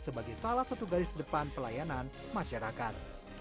sebagai salah satu garis depan pelayanan masyarakat